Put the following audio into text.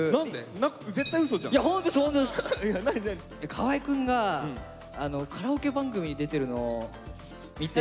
河合くんがカラオケ番組に出てるのを見て。